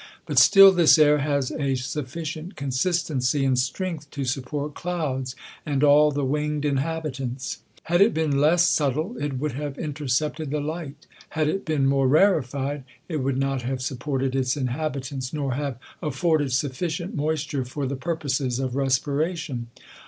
But still this air has a sufficient consistencyand strength to support clouds, and all the winged inhabitants. Had it been less sub tile, it would have intercepted the light. Had it beea more rarified, it would not have supported its inhab jjj itants, nor have aftbrded sufficient moisture for the pur i poses of respiration.